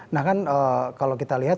nah kan kalau kita lihat